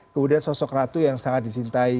kemudian sosok ratu yang sangat disintai